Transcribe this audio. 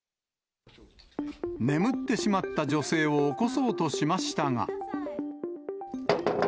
眠ってしまった女性を起こそうとしましたが。